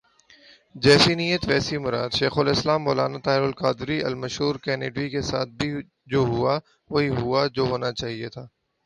جیسی نیت ویسی مراد ، شیخ الاسلام مولانا طاہرالقادری المشور کینڈیوی کے ساتھ بھی جو ہوا ، وہی ہوا ، جو ہونا چاہئے تھا ۔